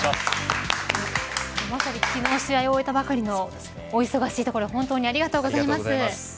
昨日試合を終えたばかりのお忙しいところ本当にありがとうございます。